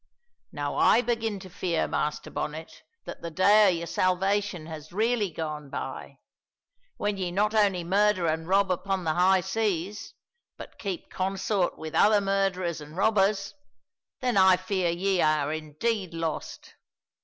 "Now I begin to fear, Master Bonnet, that the day o' your salvation has really gone by. When ye not only murder an' rob upon the high seas, but keep consort with other murderers an' robbers, then I fear ye are indeed lost.